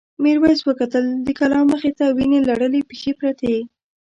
میرويس وکتل د کلا مخې ته وینې لړلې پښې پرتې.